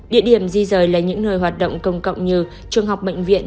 địa điểm di rời là những nơi hoạt động công cộng như trường học bệnh viện